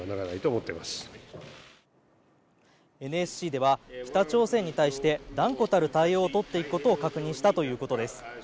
ＮＳＣでは北朝鮮に対して断固たる対応を取っていくことを確認したということです。